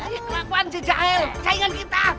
kelepuan si cahil saingan kita